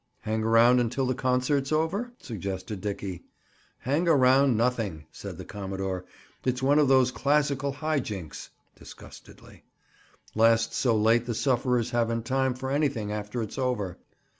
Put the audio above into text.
"Hang around until the concert's over?" suggested Dickie. "Hang around nothing!" said the commodore. "It's one of those classical high jinks." Disgustedly. "Lasts so late the sufferers haven't time for anything after it's over.